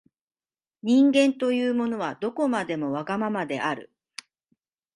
人間というものは、どこまでもわがままである。